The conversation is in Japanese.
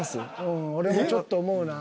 うん俺もちょっと思うな。